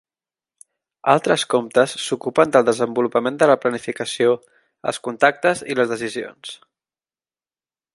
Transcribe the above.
Altres comptes s'ocupen del desenvolupament de la planificació, els contactes i les decisions.